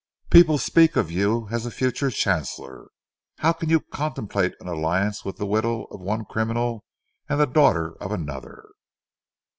People speak of you as a future Chancellor. How can you contemplate an alliance with the widow of one criminal and the daughter of another?"